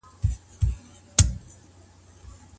د مقابل لوري نظر اوريدل څه ارزښت لري؟